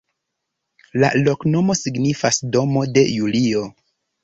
La loknomo signifas: domo de Julio.